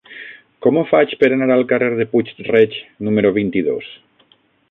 Com ho faig per anar al carrer de Puig-reig número vint-i-dos?